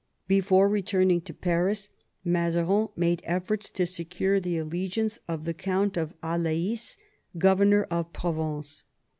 Before returning to Paris, Mazarin made efforts to secure the allegiance of the Count of Alais, governor of Provence.